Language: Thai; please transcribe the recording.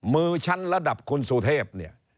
มือชั้นระดับคุณสุเทพเนี่ย